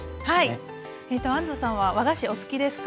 安藤さんは和菓子お好きですか？